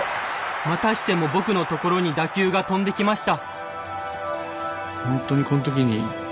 またしても僕の所に打球が飛んできました。